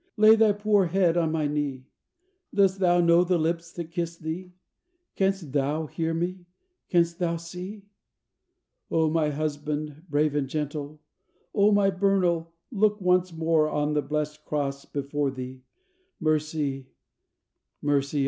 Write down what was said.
lay thy poor head on my knee; Dost thou know the lips that kiss thee? Cans't thou hear me? Cans't thou see? Oh, my husband, brave and gentle! O my Bernal, look once more On the blessed cross before thee! Mercy! Mercy!